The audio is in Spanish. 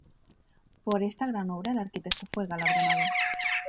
Por esta gran obra, el arquitecto fue galardonado.